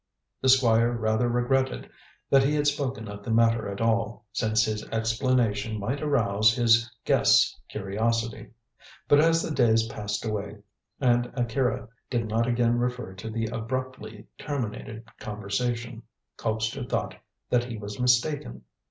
The Squire rather regretted that he had spoken of the matter at all, since his explanation might arouse his guest's curiosity. But as the days passed away, and Akira did not again refer to the abruptly terminated conversation, Colpster thought that he was mistaken.